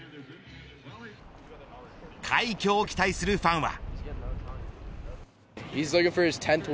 快挙を期待するファンは。